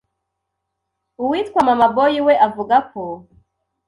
Uwitwa Mama Boy we avuga ko